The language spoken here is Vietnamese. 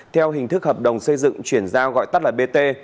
theo hình thức hợp đồng xây dựng chuyển ra gọi tắt là bt